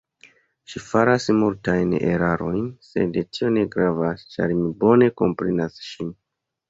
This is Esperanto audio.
Ŝi faras multajn erarojn, sed tio ne gravas, ĉar mi bone komprenas ŝin.